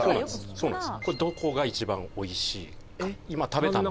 そうなんです